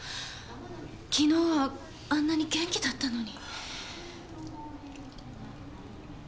昨日はあんなに元気だったのに。